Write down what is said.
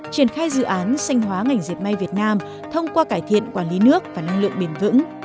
triển khai dự án sanh hóa ngành diệt may việt nam thông qua cải thiện quản lý nước và năng lượng bền vững